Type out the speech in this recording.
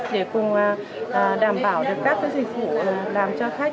để cùng đảm bảo được các dịch vụ làm cho khách